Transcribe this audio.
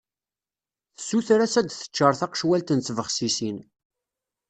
Tessuter-as ad d-teččar taqecwalt n tbexsisin.